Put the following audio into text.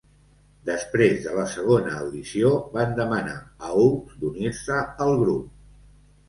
Després de la segona audició, van demanar a Oakes d'unir-se al grup.